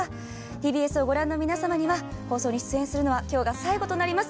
ＴＢＳを御覧の皆様には放送出演は今日が最後となります。